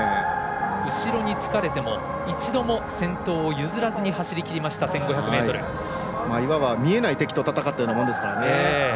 後ろにつかれても一度も先頭を譲らずにいわば見えない敵と戦ったようなものですから。